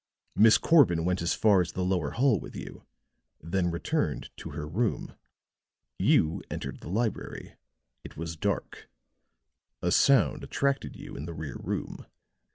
Miss Corbin went as far as the lower hall with you, then returned to her room. You entered the library. It was dark. A sound attracted you in the rear room.